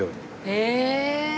へえ！